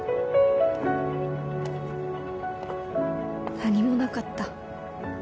何もなかった